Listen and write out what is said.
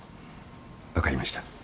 分かりました。